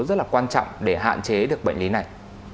rất là quan trọng để hạn chế được bệnh lý này